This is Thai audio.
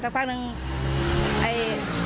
ตัวปฏินก็